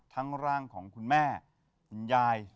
ร่างของคุณแม่คุณยาย